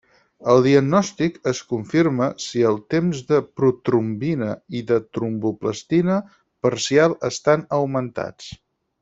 El diagnòstic es confirma si els temps de protrombina i de tromboplastina parcial estan augmentats.